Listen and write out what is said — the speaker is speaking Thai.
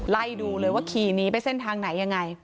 ไล่ดูเลยว่าขี่หนีไปเส้นทางไหนยังไง